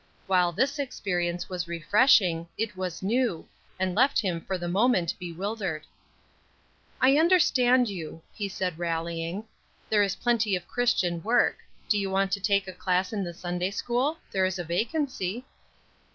While this experience was refreshing, it was new, and left him for the moment bewildered. "I understand you," he said, rallying. "There is plenty of Christian work. Do you want to take a class in the Sunday school? There is a vacancy."